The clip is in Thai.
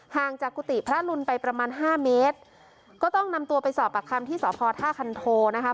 ห่างจากกุฏิพระลุนไปประมาณห้าเมตรก็ต้องนำตัวไปสอบปากคำที่สพท่าคันโทนะคะ